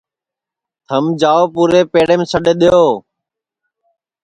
تھم جاؤ پُورے پیڑیم سڈؔ دؔیئو